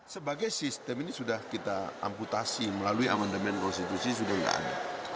sebagai sistem ini sudah kita amputasi melalui amandemen konstitusi sudah tidak ada